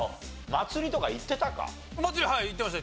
祭りはい行ってました。